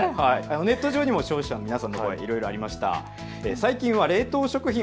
ネット上でも消費者の皆さんの声、ありました。